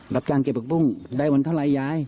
รับยางเก็บอาคบรุงได้วันเท่าไหร่ยาย